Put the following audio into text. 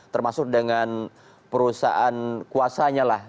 termasuk dengan perusahaan kuasanya lah